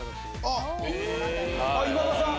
・あ今田さん